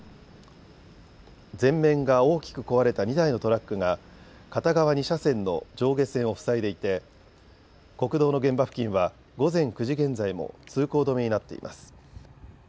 前面が大きく壊れた２台のトラックが片側２車線の上下線を塞いでいて国道の現場付近は午前９時現在も通行止めになっています。